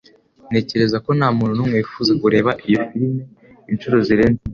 Ntekereza ko ntamuntu numwe wifuza kureba iyo firime inshuro zirenze imwe.